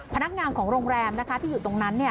พนักงานของโรงแรมนะคะที่อยู่ตรงนั้น